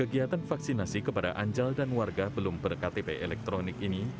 kegiatan vaksinasi kepada anjal dan warga belum berktp elektronik ini